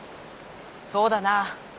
「そうだな。